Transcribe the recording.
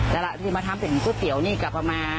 แต่แบบที่พาทำก็เป็นกู้เตี๋ยวนี่กับ